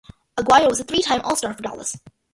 Aguirre was a three-time All-Star for Dallas.